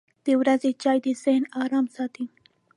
• د ورځې چای د ذهن ارام ساتي.